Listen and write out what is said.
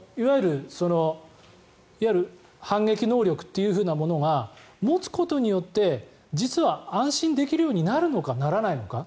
いわゆる反撃能力というものが持つことによって、実は安心できるようになるのかならないのか。